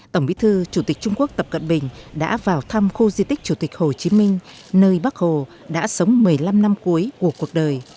tổng bí thư chủ tịch trung quốc tập cận bình đã vào thăm khu di tích chủ tịch hồ chí minh nơi bác hồ đã sống một mươi năm năm cuối của cuộc đời